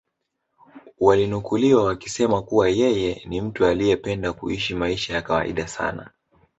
walinukuliwa wakisema kuwa yeye ni mtu aliyependa kuishi maisha ya kawaida sana